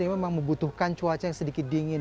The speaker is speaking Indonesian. ini memang membutuhkan cuaca yang sedikit dingin